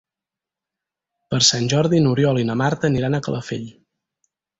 Per Sant Jordi n'Oriol i na Marta aniran a Calafell.